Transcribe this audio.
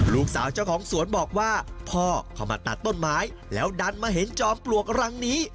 ลูกสาวเจ้าของสวนบอกว่าพ่อเข้ามาตัดต้นไม้แล้วดันมาเห็นจอมปลวกรังนี้